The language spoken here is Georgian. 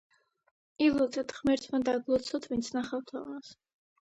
ილოცეთ ღმერთმა დაგლოცონ ვინც ნახავთ ამას.